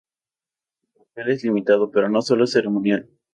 Su papel es limitado, pero no solo ceremonial.